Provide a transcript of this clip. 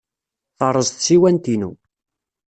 Terreẓ tsiwant-inu.